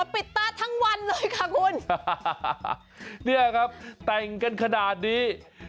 ปิดตาทั้งวันเลยค่ะคุณเนี่ยครับแต่งกันขนาดนี้